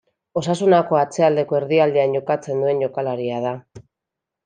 Osasunako atzealdeko erdialdean jokatzen duen jokalaria da.